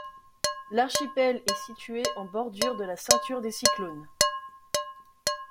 L’archipel est situé en bordure de la ceinture des cyclones.